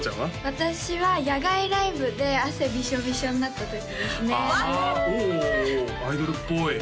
私は野外ライブで汗びしょびしょになった時ですね分かる！